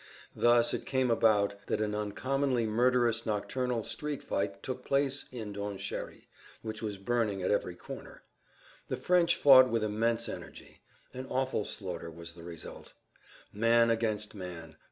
Thus it came about that an uncommonly murderous nocturnal street fight took place in Donchéry which was burning at every corner. The French fought with immense energy; an awful slaughter was the result. Man against man!